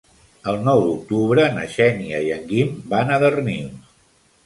El nou d'octubre na Xènia i en Guim van a Darnius.